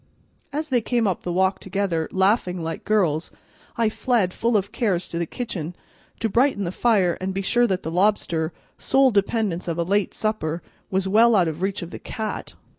As they came up the walk together, laughing like girls, I fled, full of cares, to the kitchen, to brighten the fire and be sure that the lobster, sole dependence of a late supper, was well out of reach of the cat.